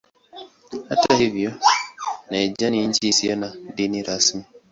Hata hivyo Niger ni nchi isiyo na dini rasmi.